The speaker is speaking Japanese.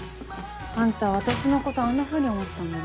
あんた私のことあんなふうに思ってたんだね。